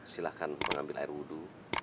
silahkan mengambil air wudhu